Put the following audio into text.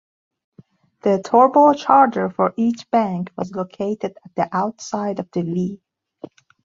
The turbocharger for each bank was located at the outside of the vee.